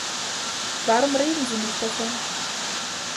Warum reden Sie nicht davon?